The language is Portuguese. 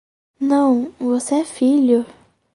Não, você é filho.